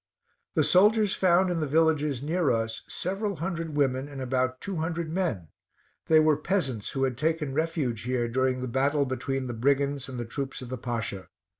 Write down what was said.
The soldiers found in the villages near us several hundred women and about two hundred men; they were peasants who had taken refuge here during the battle between the brigands and the troops of the Pasha.